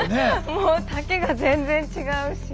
もう丈が全然違うし。